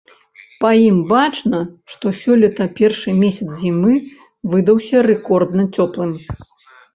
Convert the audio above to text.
Па ім бачна, што сёлета першы месяц зімы выдаўся рэкордна цёплым.